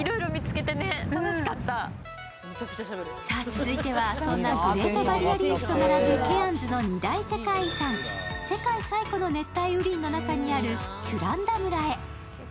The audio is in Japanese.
続いてはそんなグレートバリアリーフと並ぶケアンズの二大世界遺産、世界最古の熱帯雨林の中にあるキュランダ村へ。